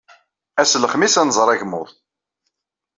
Ass n Lexmis ad nẓer agmuḍ.